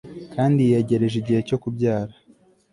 kandi yegereje igihe cyo kubyara